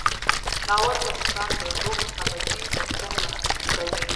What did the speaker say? ناول د انسان د روح ابدي پوښتنې منعکسوي.